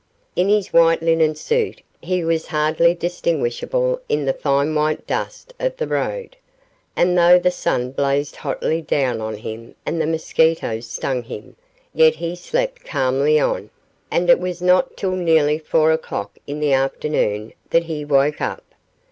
In his white linen suit he was hardly distinguishable in the fine white dust of the road, and though the sun blazed hotly down on him and the mosquitos stung him, yet he slept calmly on, and it was not till nearly four o'clock in the afternoon that he woke up.